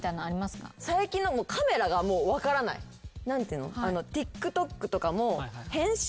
最近。何ていうの。